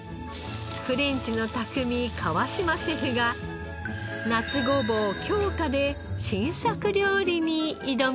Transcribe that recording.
フレンチの匠川島シェフが夏ごぼう京香で新作料理に挑みます。